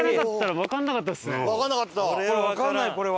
わかんないこれは。